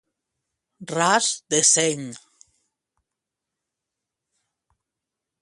Ras de seny.